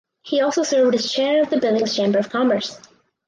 He also served as chair of the Billings Chamber of Commerce.